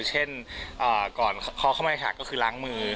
เช่นก่อนคอเข้ามาหักก็คือล้างมือ